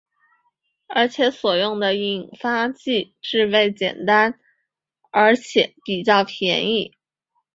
而且所用的引发剂制备简单而且比较便宜。